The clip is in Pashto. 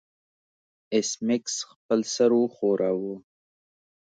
ایس میکس خپل سر وښوراوه